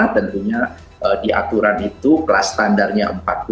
tentunya di aturan itu kelas standarnya empat puluh